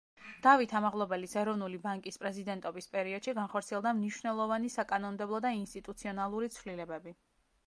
დავით ამაღლობელის ეროვნული ბანკის პრეზიდენტობის პერიოდში განხორციელდა მნიშვნელოვანი საკანონმდებლო და ინსტიტუციონალური ცვლილებები.